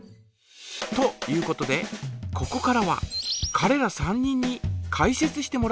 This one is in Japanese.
ということでここからはかれら３人にかい説してもらいましょう。